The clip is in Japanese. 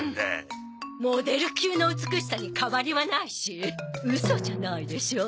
モデル級の美しさに変わりはないしウソじゃないでしょ。